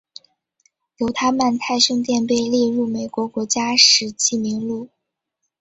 犹他曼泰圣殿被列入美国国家史迹名录。